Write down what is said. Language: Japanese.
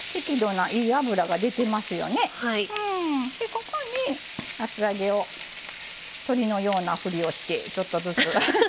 ここに厚揚げを鶏のようなふりをしてちょっとずつ。